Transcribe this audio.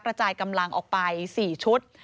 กระจายกำลังออกไป๔ชุด